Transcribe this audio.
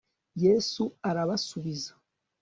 yesu arabasubiza